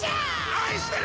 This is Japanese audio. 「愛してるぜ！」